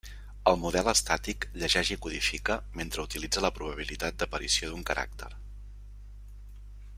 El model estàtic llegeix i codifica mentre utilitza la probabilitat d'aparició d'un caràcter.